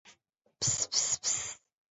日本学士院奖是日本学士院颁发的奖章。